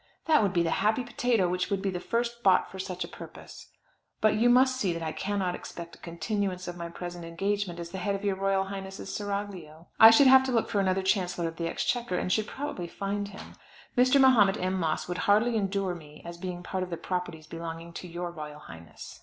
That would be the happy potato which would be the first bought for such a purpose! But you must see that I cannot expect a continuance of my present engagement as the head of your royal highness' seraglio. I should have to look for another Chancellor of the Exchequer, and should probably find him. Mr. Mahomet M. Moss would hardly endure me as being part of the properties belonging to your royal highness.